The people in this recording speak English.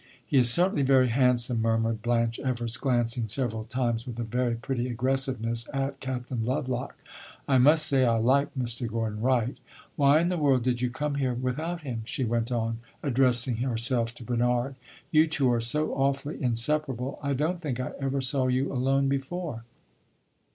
"He is certainly very handsome," murmured Blanche Evers, glancing several times, with a very pretty aggressiveness, at Captain Lovelock. "I must say I like Mr. Gordon Wright. Why in the world did you come here without him?" she went on, addressing herself to Bernard. "You two are so awfully inseparable. I don't think I ever saw you alone before."